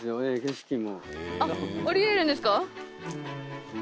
あっ下りれるんですか。